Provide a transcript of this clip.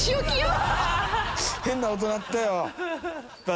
変な音鳴ったよ。